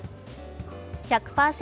１００％